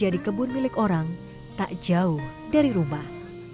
di kebun milik orang tak jauh dari rumah